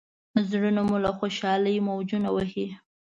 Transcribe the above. زړونه مو له خوشالۍ موجونه وهي.